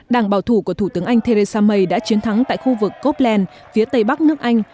đảng bảo thủ của thủ tướng anh theresa may đã chiến thắng tại khu vực kopland phía tây bắc nước anh